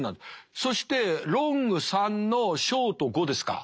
そしてロング３のショート５ですか。